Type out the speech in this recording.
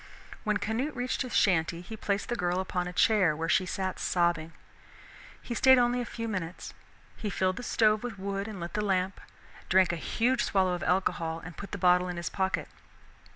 When Canute reached his shanty he placed the girl upon a chair, where she sat sobbing. He stayed only a few minutes. He filled the stove with wood and lit the lamp, drank a huge swallow of alcohol and put the bottle in his pocket.